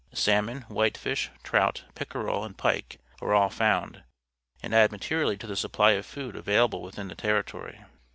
Salmon, whitefish, trout, pickerel, and pike Ure all found, and add materially to the supply of food available within the territory.